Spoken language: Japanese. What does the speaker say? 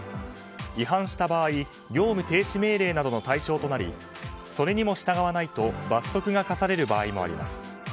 違反した場合業務停止命令などの対象となりそれにも従わないと罰則が科される場合もあります。